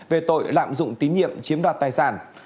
về tội lạm dụng tín nhiệm chiếm đoạt tài sản